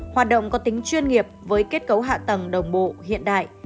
hoạt động có tính chuyên nghiệp với kết cấu hạ tầng đồng bộ hiện đại